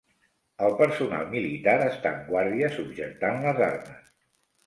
El personal militar està en guàrdia subjectant les armes.